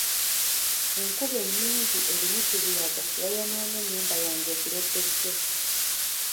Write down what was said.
Enkuba ennyingi erimu kibuyaga yayonoonye ennyumba yange ekiro ky'ejjo.